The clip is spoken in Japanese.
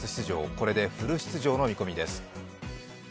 これでフル出場の見込みです。